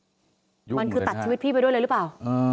ไช่มันนี่มันคือตัดชีวิตพี่ไปด้วยหรือเปล่าอ๋อ